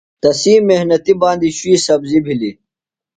تسی محنتیۡ باندیۡ شُوئی سبزیۡ بِھلیۡ۔